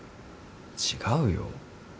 違うよ。